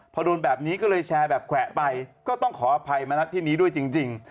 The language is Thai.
พอโดนแบบนี้ก็เลยแชร์แบบแขวะไปก็ต้องขออภัยมณัฐที่นี้ด้วยจริง